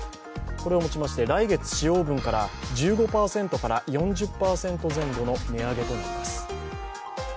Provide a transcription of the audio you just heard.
これをもちまして来月使用分から１５％から４０％前後の値上げとなります。